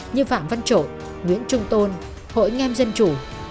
như phạm văn trội nguyễn trung tôn hội nghem dân chủ